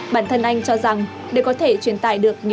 bản thân anh cho rằng để có thể truyền tải được những